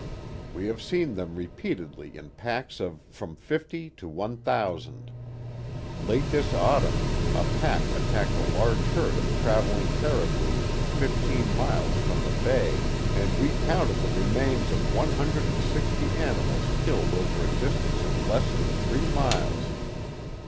We have seen them repeatedly in packs of from fifty to one thousand. Late this autumn a pack attacked a large herd of traveling caribou fifteen miles in from the Bay, and we counted the remains of one hundred and sixty animals killed over a distance of less than three miles.